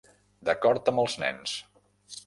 D'acord amb els nens